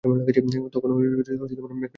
তখনও মেঘ করিয়া আছে।